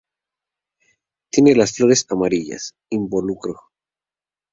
Tiene las flores amarillas, involucro.